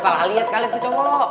salah liat kali itu cowok